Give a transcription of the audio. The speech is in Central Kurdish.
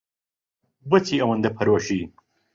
بۆچی ئەوەندە پەرۆشی؟